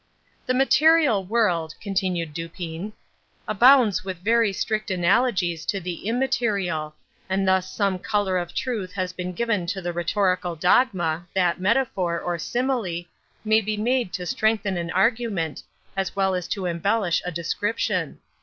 "The material world," continued Dupin, "abounds with very strict analogies to the immaterial; and thus some color of truth has been given to the rhetorical dogma, that metaphor, or simile, may be made to strengthen an argument, as well as to embellish a description.